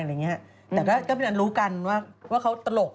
แต่ก็เป็นอันรู้กันว่าเขาตลก